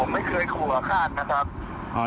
ไม่เคยขู่อาฆาตนะครับ